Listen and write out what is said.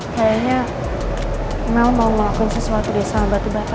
kayaknya mel mau melakukan sesuatu di sambat dibata